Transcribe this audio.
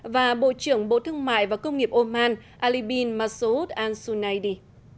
và bộ trưởng bộ thương mại và công nghiệp oman ali bin masao ali sunaydi